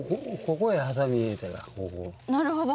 なるほど。